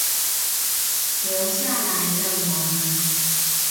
留下來的我們